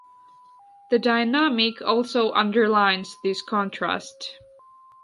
The dynamic also underlines this contrast.